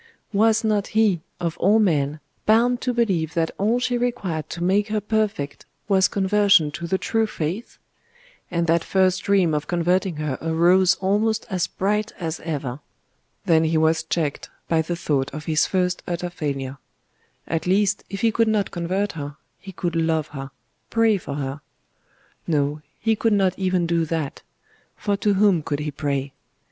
Was not he, of all men, bound to believe that all she required to make her perfect was conversion to the true faith?.... And that first dream of converting her arose almost as bright as ever.... Then he was checked by the thought of his first utter failure.... At least, if he could not convert her, he could love her, pray for her.... No, he could not even do that; for to whom could he pray?